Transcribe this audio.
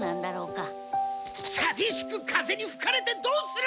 さびしく風にふかれてどうする！